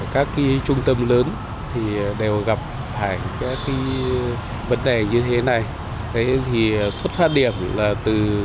các cái trung tâm lớn thì đều gặp cảnh các cái vấn đề như thế này thế thì xuất phát điểm là từ